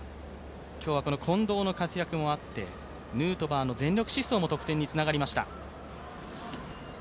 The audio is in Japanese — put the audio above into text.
今日は近藤の活躍もあって、ヌートバーの全力疾走も得点につながりました。